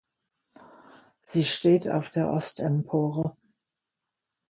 Sie steht auf der Ostempore.